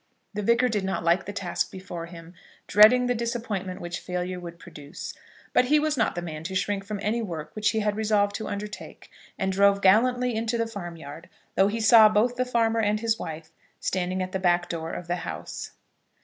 The Vicar did not like the task before him, dreading the disappointment which failure would produce; but he was not the man to shrink from any work which he had resolved to undertake, and drove gallantly into the farmyard, though he saw both the farmer and his wife standing at the back door of the house.